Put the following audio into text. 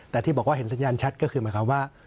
แต่ที่บอกว่าเห็นสัญญาณชัดก็คือหมายความว่า